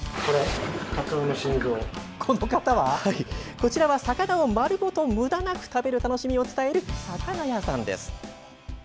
こちらは魚を丸ごとむだなく食べる楽しみを伝える魚屋さんです。